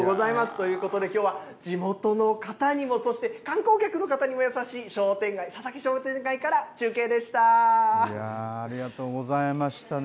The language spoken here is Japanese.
ということで、きょうは地元の方にも、そして観光客の方にも優しい商店街、いやー、ありがとうございましたね。